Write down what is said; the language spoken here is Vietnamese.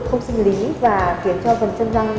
không sinh lý và khiến cho phần chân răng